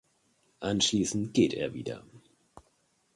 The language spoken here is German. Anschließend geht er wieder.